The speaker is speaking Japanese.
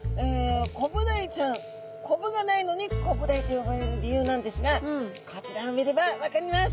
コブダイちゃんコブがないのにコブダイと呼ばれる理由なんですがこちらを見れば分かります。